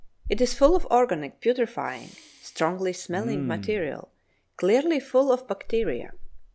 "It is full of organic, putrefying, strongly smelling material, clearly full of bacteria.